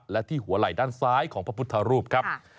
และที่หัวไหล่ด้านซ้ายของพระพุทธรูปครับ